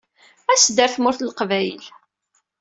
As-d ɣer Tmurt n Leqbayel.